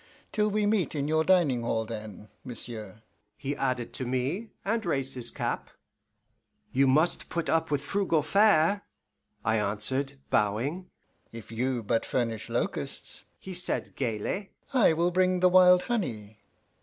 Till we meet in your dining hall, then, monsieur," he added to me, and raised his cap. "You must put up with frugal fare," I answered, bowing. "If you but furnish locusts," he said gaily, "I will bring the wild honey....